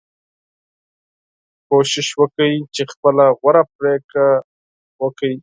کوشش وکړئ چې خپله غوره پریکړه وکړئ.